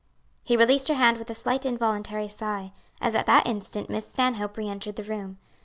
He released her hand with a slight involuntary sigh, as at that instant Miss Stanhope re entered the room.